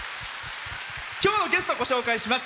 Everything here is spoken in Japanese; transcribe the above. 今日のゲストをご紹介します。